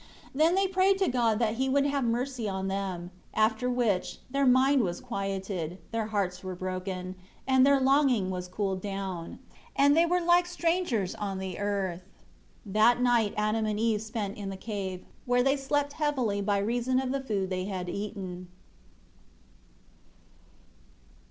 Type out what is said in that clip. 10 Then they prayed to God that He would have mercy on them; after which, their mind was quieted, their hearts were broken, and their longing was cooled down; and they were like strangers on earth. That night Adam and Eve spent in the cave, where they slept heavily by reason of the food they had eaten.